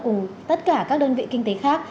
cùng tất cả các đơn vị kinh tế khác